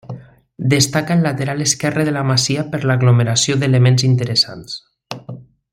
Destaca el lateral esquerre de la masia per l'aglomeració d'elements interessants.